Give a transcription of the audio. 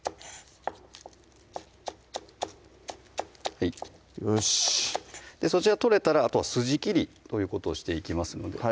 はいよしそちらが取れたらあとは筋切りということをしていきますのでは